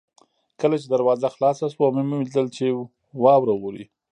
کله چې دروازه خلاصه شوه ومې لیدل چې واوره اورې.